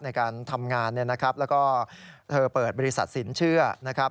ในการทำงานแล้วก็เธอเปิดบริษัทสินเชื่อนะครับ